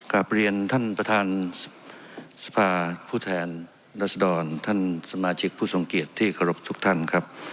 กลับเรียนท่านประธานสภาผู้แทนรัศดรท่านสมาชิกผู้ทรงเกียจที่เคารพทุกท่านครับ